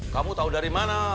kamu tahu dari mana